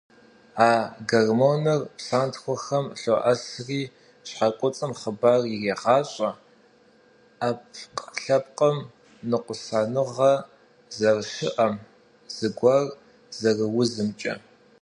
А гормоныр псантхуэхэм лъоӏэсри, щхьэкуцӏым хъыбар ирегъащӏэ ӏэпкълъэпкъым ныкъусаныгъэ зэрыщыӏэр, зыгуэр зэрыузымкӏэ.